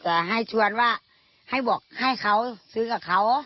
ให้ชวนว่าให้บอกให้เขาซื้อกับเขา